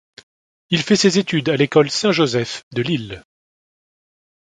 Il fait ses études à l'école Saint-Joseph de Lille.